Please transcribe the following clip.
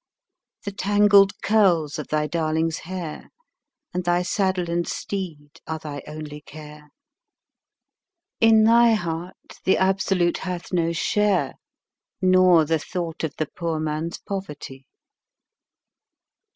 The tangled curls of thy darling's hair, and thy saddle and teed are thy only care; In thy heart the Absolute hath no share, nor the thought of the poor man's poverty.